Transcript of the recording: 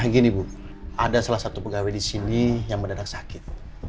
gini bu ada salah satu pegawai di sini yang mendadak sakit